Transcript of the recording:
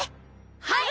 はい！